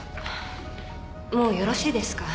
もうよろしいですか？